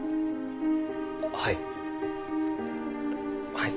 はい。